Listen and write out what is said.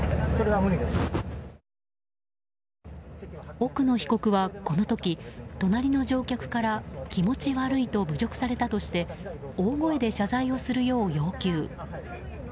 奥野被告はこの時隣の乗客から気持ち悪いと侮辱されたとして大声で謝罪をするよう要求。